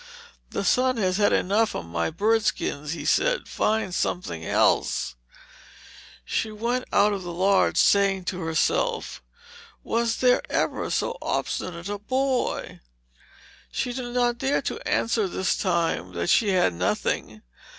"The sun has had enough of my bird skins," he said; "find something else." She went out of the lodge, saying to herself, "Was there ever so obstinate a boy?" She did not dare to answer this time that she had nothing.